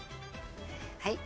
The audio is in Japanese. はい。